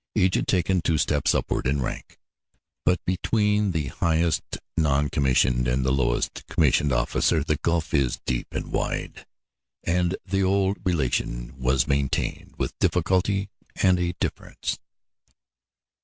Each had taken two steps upward in rank, but between the highest non commissioned and the lowest commissioned officer the gulf is deep and wide and the old relation was maintained with difficulty and a difference.